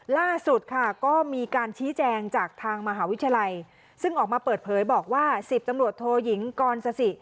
ล่าสุดค่ะก็มีการชี้แจงจากทางมหาวิทยาลัยซึ่งออกมาเปิดเผยบอกว่า๑๐ตำรวจโทยิงกรสสิ